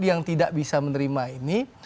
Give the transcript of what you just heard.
yang tidak bisa menerima ini